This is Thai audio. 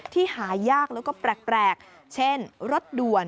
หายากแล้วก็แปลกเช่นรถด่วน